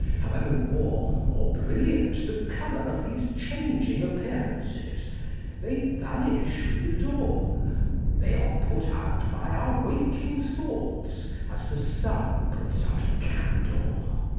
However warm or brilliant the colouring of these changing appearances, they vanish with the dawn. They are put out by our waking thoughts, as the sun puts out a candle.